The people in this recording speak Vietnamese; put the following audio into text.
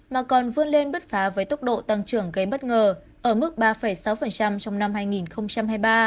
mà còn vươn lên bứt phá với tốc độ tăng trưởng gây bất ngờ ở mức ba sáu trong năm hai nghìn hai mươi ba